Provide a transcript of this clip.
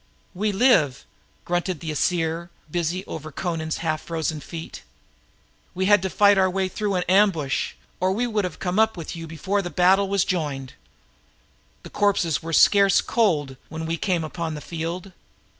"We live," grunted the Aesir, busy over Amra's half frozen feet. "We had to fight our way through an ambush, else we had come up with you before the battle was joined. The corpses were scarce cold when we came upon the field.